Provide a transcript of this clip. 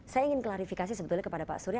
saya ingin klarifikasi sebetulnya kepada pak surya